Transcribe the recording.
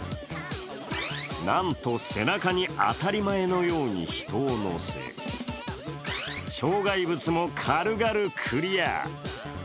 なんと背中に当たり前のように人を乗せ、障害物も軽々クリア。